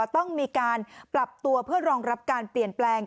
ต้องมีการปรับตัวเพื่อรองรับการเปลี่ยนแปลง